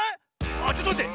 あちょっとまって！